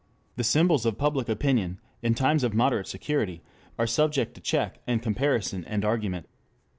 The symbols of public opinion, in times of moderate security, are subject to check and comparison and argument.